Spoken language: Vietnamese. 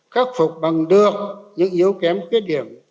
khắc phục bằng được những yếu kém khuyết điểm